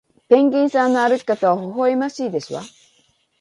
ペンギンさんの歩き方はほほえましいですわ